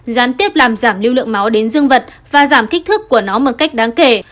gián tiếp làm giảm lưu lượng máu đến dương vật và giảm kích thước của nó một cách đáng kể